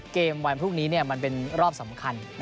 วันพรุ่งนี้มันเป็นรอบสำคัญ